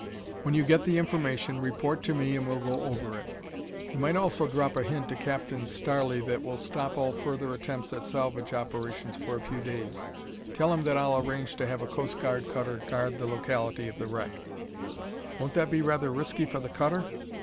When you get the information, report to me and we'll go over it. You might also drop a hint to Captain Starley that will stop all further attempts at salvage operations for a few days. Tell him that I'll arrange to have a Coast Guard cutter guard the locality of the wreck." "Won't that be rather risky for the cutter?"